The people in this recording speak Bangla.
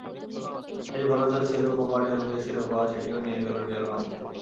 শেষ ভরসা ছিল কোপা ডেল রের শিরোপা—সেটিও নিয়ে গেল রিয়াল মাদ্রিদ।